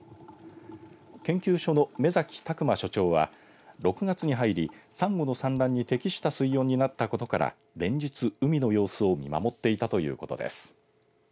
研究所の目崎拓真所長は６月に入りサンゴの産卵に適した水温になったことから連日、海の様子を見守っていたということです。